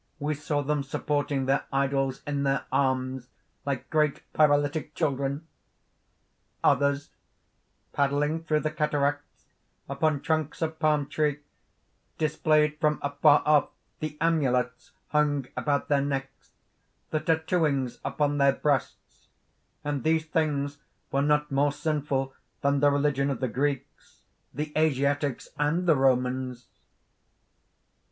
We saw them supporting their idols in their arms, like great paralytic children; others, paddling through the cataracts upon trunks of palm tree, displayed from afar off the amulets hung about their necks, the tattooings upon their breasts; and these things were not more sinful than the religion of the Greeks, the Asiatics, and the Romans!